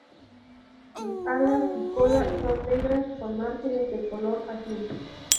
Sus alas y cola son negras con márgenes de color azul.